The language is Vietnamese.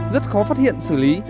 rất khó phát hiện xử lý